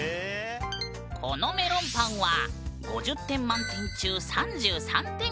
このメロンパンは５０点満点中３３点か。